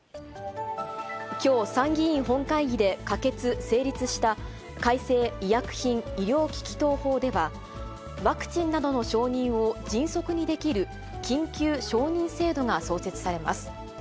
きょう、参議院本会議で可決・成立した、改正医薬品医療機器等法では、ワクチンなどの承認を迅速にできる緊急承認制度が創設されます。